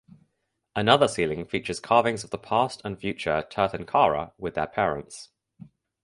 Another ceiling features carvings of the past and future tirthankara with their parents.